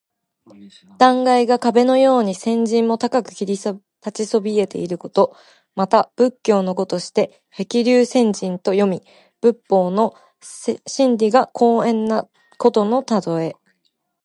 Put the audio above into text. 断崖が壁のように千仞も高く切り立ちそびえていること。また仏教の語として「へきりゅうせんじん」と読み、仏法の真理が高遠なことのたとえ。